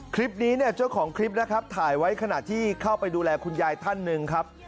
คลิปนี้เนี่ยเจ้าของคลิปนะครับถ่ายไว้ขณะที่เข้าไปดูแลคุณยายท่านหนึ่งครับ